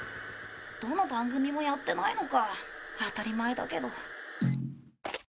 どの番組もやってないのか当たり前だけど。